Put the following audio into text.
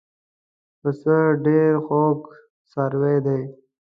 پسه ډېر خوږ څاروی دی.